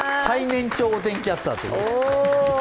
最年長お天気キャスター。